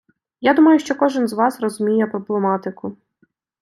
Я думаю, що кожен з вас розуміє проблематику.